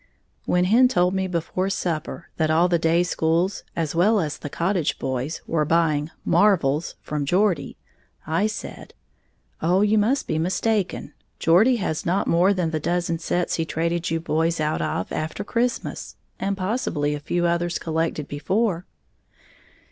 When Hen told me before supper that all the "day schools" as well as the cottage boys were buying "marvles" from Geordie, I said, "Oh, you must be mistaken. Geordie has not more than the dozen sets he traded you boys out of after Christmas, and possibly a few others collected before."